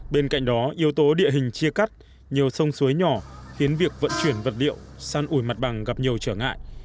bên cạnh đó yếu tố địa hình chia cắt nhiều sông suối nhỏ khiến việc vận chuyển vật liệu san ủi mặt bằng gặp nhiều trở ngại